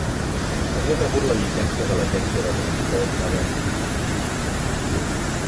Havia rebut la llicència de l'Agència de transport de Vermont.